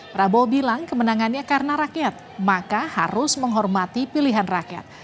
prabowo bilang kemenangannya karena rakyat maka harus menghormati pilihan rakyat